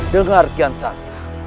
dengar kian santang